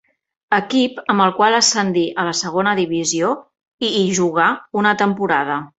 Equip amb el qual ascendí a la segona divisió i hi jugà una temporada.